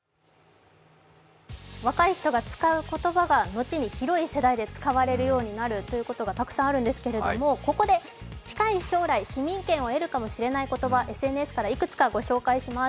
若い人が使う言葉が、後に広い世代で使われるようになるというのはたくさんあるんですけれども、ここで近い将来、市民権を得るかもしれない言葉、ＳＮＳからいくつかご紹介します。